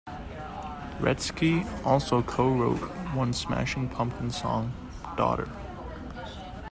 Wretzky also co-wrote one Smashing Pumpkins song, "Daughter".